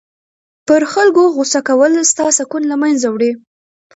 پر خلکو غصه کول ستا سکون له منځه وړي.